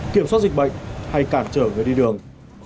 kiểm soát dịch bệnh hay cản trở người đi đường